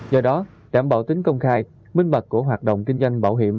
do đó đảm bảo tính công khai minh bạch của hoạt động kinh doanh bảo hiểm